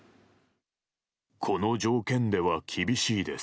この条件では厳しいです。